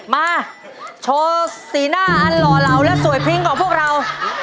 มาโชว์สีหน้าอันหล่อเหลาและสวยพริ้งของพวกเรา